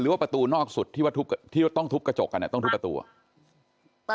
ว่าประตูนอกสุดที่ว่าที่ต้องทุบกระจกกันต้องทุบประตูอ่ะ